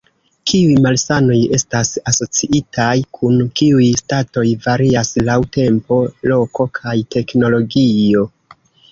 Kiuj malsanoj estas asociitaj kun kiuj statoj varias laŭ tempo, loko kaj teknologio.